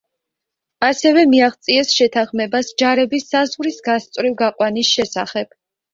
ასევე მიაღწიეს შეთანხმებას ჯარების საზღვრის გასწვრივ გაყვანის შესახებ.